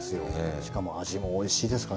しかも、味もおいしいですから。